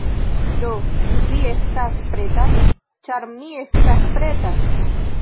Do, ĉu vi estas preta? ĉar mi estas preta!